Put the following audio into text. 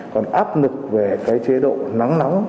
còn áp lực về cái chế độ nóng nóng